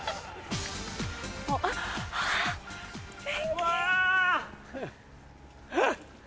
・うわ！